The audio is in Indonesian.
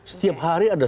setiap hari ada sebuah